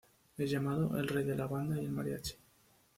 Es llamado el "Rey de la Banda y el Mariachi".